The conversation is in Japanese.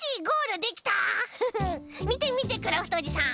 みてみてクラフトおじさん。